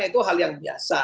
itu hal yang biasa